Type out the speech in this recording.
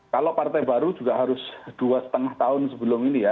kalau partai baru juga harus dua lima tahun sebelum ini ya